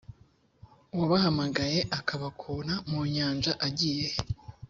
uwabahamagaye akabakura mu nyanja agiye he